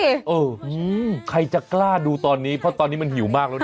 เออใครจะกล้าดูตอนนี้เพราะตอนนี้มันหิวมากแล้วนะ